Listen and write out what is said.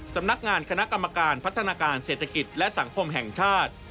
สำนักงานคณะกรรมการพัฒนาการเศรษฐกิจและสังคมแห่งชาติ